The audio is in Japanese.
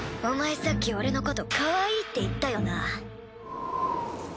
お前さっき俺のことかわいいって言ったよな？